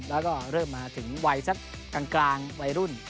แล้วก็เริ่มมาถึงวัยสักกลางวัยรุ่น